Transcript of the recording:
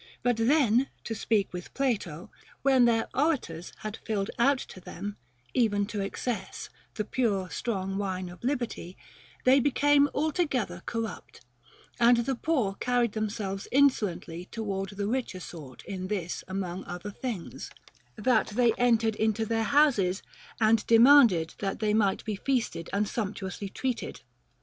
But then (to speak with Plato), when their ora tors had filled out to them, even to excess, the pure strong wine of liberty, they became altogether corrupt, and the poor carried themselves insolently toward the richer sort in this among other things, that they entered into their houses and demanded that they might be feasted and sumptuously treated.